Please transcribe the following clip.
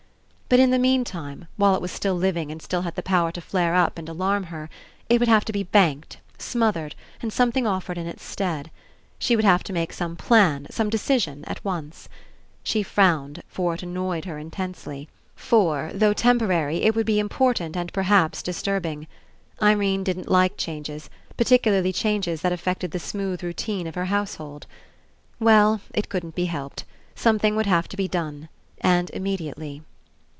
But in the meantime, while it was still living and still had the power to flare up and alarm her, it would have to be banked, smothered, and something offered in Its stead. She would have to make some plan, some decision, at once. She frowned, I02 RE ENCOUNTER for it annoyed her intensely. For, though tem porary, it would be important and perhaps dis turbing. Irene didn't like changes, particularly changes that affected the smooth routine of her household. Well, it couldn't be helped. Some thing would have to be done. And immediately.